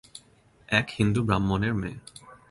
এক হিন্দু ব্রাহ্মণের মেয়ে।